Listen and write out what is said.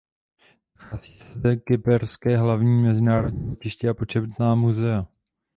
Nachází se zde kyperské hlavní mezinárodní letiště a početná muzea.